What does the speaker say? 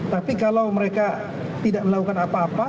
tapi kalau mereka tidak melakukan apa apa